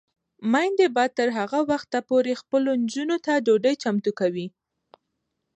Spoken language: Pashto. میندې به تر هغه وخته پورې خپلو نجونو ته ډوډۍ چمتو کوي.